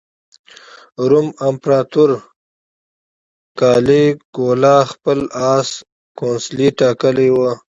روم امپراطور کالیګولا خپل اس کونسلي ټاکلی و.